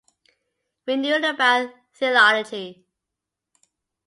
We knew about Theology.